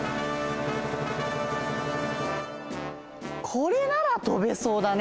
これならとべそうだね。